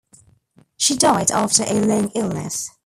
She died after a long illness.